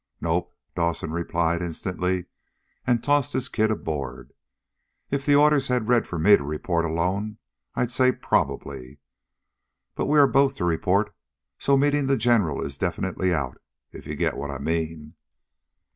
"Nope," Dawson replied instantly, and tossed his kit aboard. "If the orders had read for me to report alone, I'd say probably. But we are both to report, so meeting the general is definitely out, if you get what I mean?"